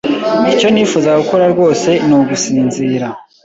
Icyo nifuza gukora rwose ni ugusinzira.